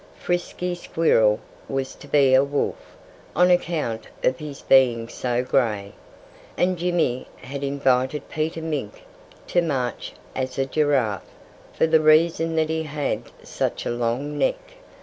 Frisky Squirrel was to be a wolf, on account of his being so gray. And Jimmy had invited Peter Mink to march as a giraffe, for the reason that he had such a long neck.